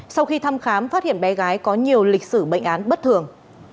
sau khi thăm khám phát hiện bé gái có nhiều lịch sử bệnh án bất thường